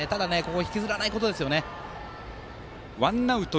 引きずらないことですね。